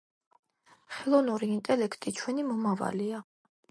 ხელოვნური ინტელექტი ჩვენი მომავალია.